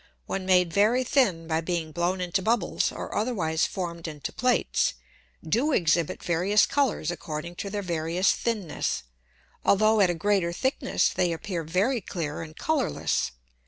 when made very thin by being blown into Bubbles, or otherwise formed into Plates, do exhibit various Colours according to their various thinness, altho' at a greater thickness they appear very clear and colourless.